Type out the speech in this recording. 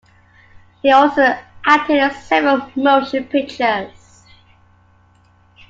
He also acted in several motion pictures.